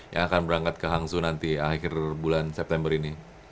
yang akan berangkat ke hangzhou nanti akhir bulan september ini